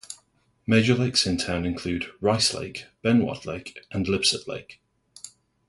Major lakes in town include Rice Lake, Benoit Lake, and Lipsett Lake.